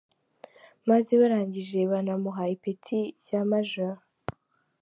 Maze barangije banamuha ipeti rya Major.